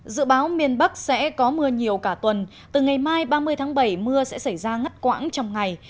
dự báo miền bắc sẽ có mưa nhiều cả tuần từ ngày mai ba mươi tháng bảy mưa sẽ xảy ra ngắt quãng trong ngày